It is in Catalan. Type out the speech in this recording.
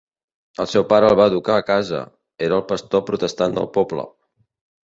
El seu pare el va educar a casa. Era el pastor protestant del poble.